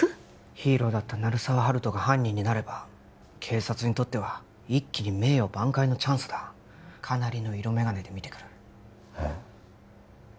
ヒーローだった鳴沢温人が犯人になれば警察にとっては一気に名誉挽回のチャンスだかなりの色眼鏡で見てくるえっ